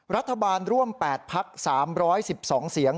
รัฐบาลร่วม๘พัก๓๑๒เสียง